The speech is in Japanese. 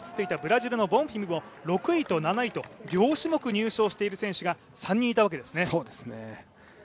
そして先ほど映っていたブラジルのボンフィムも６位と７位と両種目入賞している選手が３人いたわけですね。